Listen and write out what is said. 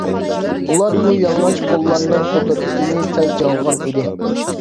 ئۇلار بۇ يالىڭاچ قوللارنىڭ قۇدرىتىنى سەل چاغلىغان ئىدى!